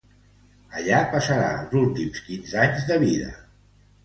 Allà passarà els últims quinze anys de vida.